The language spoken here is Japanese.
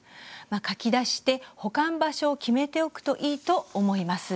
書き出して保管場所を決めておくといいと思います。